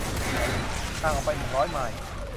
ห่างออกไปหนึ่งร้อยไมล์